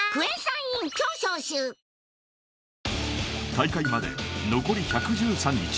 大会まで残り１１３日